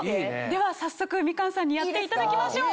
では早速みかんさんにやっていただきましょう。